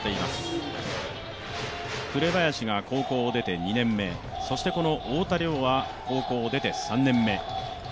紅林が高校を出て２年目、太田椋は高校を出て３年目。